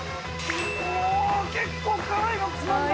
お結構辛いのつまんだ！